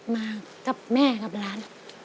มากับแม่กับหลาน